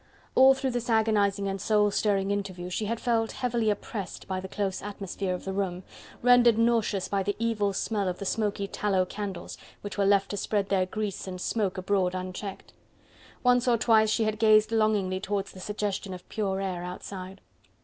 All through this agonizing and soul stirring interview she had felt heavily oppressed by the close atmosphere of the room, rendered nauseous by the evil smell of the smoky tallow candles which were left to spread their grease and smoke abroad unchecked. Once or twice she had gazed longingly towards the suggestion of pure air outside.